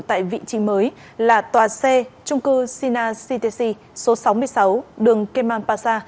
tại vị trí mới là tòa xe trung cư sina ctc số sáu mươi sáu đường kemal pasa